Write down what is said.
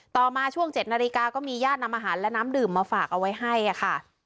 ต่อมาช่วง๗นาฬิกาก็มีญาตินำอาหารและน้ำดื่มมาฝากเอาไว้ให้ค่ะ